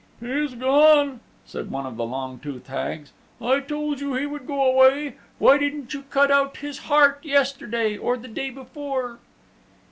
"He's gone," said one of the long toothed Hags. "I told you he would go away. Why didn't you cut out his heart yesterday, or the day before?"